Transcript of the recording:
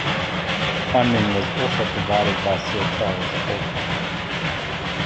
Funding was also provided by Sir Charles Holcroft.